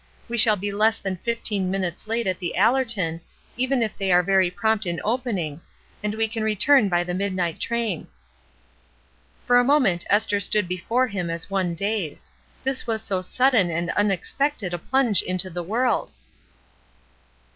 We shall be less than fifteen minutes late at The Allerton, even if they are very prompt in opening, and we can return by the midnight train." For a moment Esther stood before him as 230 ESTER RIED'S NAMESAKE one dazed; this was so sudden and unexpected a plunge into the world